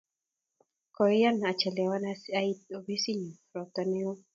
Koian achelewan ait opisi nyu ropta ne oo